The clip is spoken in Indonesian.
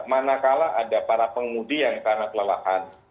manakala ada para pengemudi yang karena kelelahan